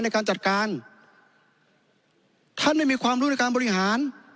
ในการจัดการท่านไม่มีความรู้ในการบริหาร